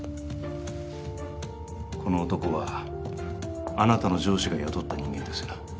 この男はあなたの上司が雇った人間です。